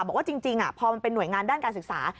บอกว่าจริงพอมันเป็นหน่วยงานด้านการศึกษา